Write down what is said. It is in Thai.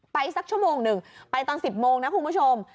สักชั่วโมงหนึ่งไปตอน๑๐โมงนะคุณผู้ชม